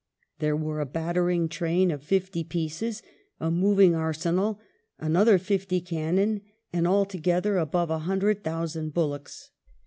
There were a battering train of fifty pieces, "a moving arsenal," another fifty cannon, and altogether above a hundred thousand bullocks.